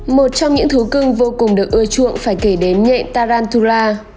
một trong những thú cưng vô cùng được ưa chuộng phải kể đến nghệ tarantula